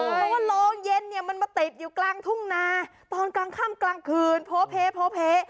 เพราะว่าโรงเย็นเนี่ยมันมาติดอยู่กลางทุ่งนาตอนกลางค่ำกลางคืนโพเพโพเพ